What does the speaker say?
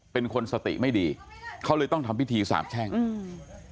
เป็นคนสติไม่ดีเขาเลยต้องทำพิธีสาบแช่งอืม